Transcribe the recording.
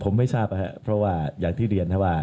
ผมไม่ทราบนะครับเพราะว่าอย่างที่เรียนนะว่า